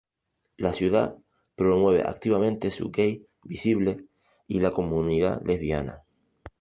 La ciudad promueve activamente su gay visible y la comunidad lesbiana.